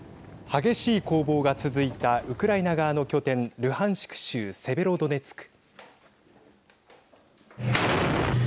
激しい攻防が続いたウクライナ側の拠点ルハンシク州セベロドネツク。